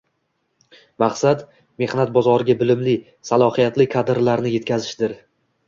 Maqsad, mehnat bozoriga bilimli, salohiyatli kadrlarni yetkazishdir